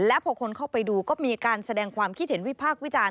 และพอคนเข้าไปดูก็มีการแสดงความคิดเห็นวิพากษ์วิจารณ์